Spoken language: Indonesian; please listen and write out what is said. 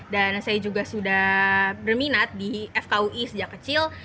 dan saya juga sudah berminat di fkui sejak kecil